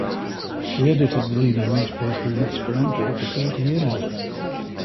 She edited the leading newspaper in Esperanto for thirty years.